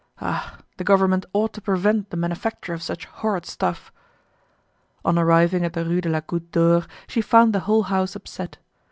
Ah! the government ought to prevent the manufacture of such horrid stuff! On arriving at the Rue de la Goutte d'Or, she found the whole house upset.